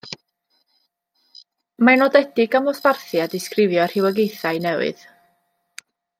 Mae'n nodedig am ddosbarthu a disgrifio rhywogaethau newydd.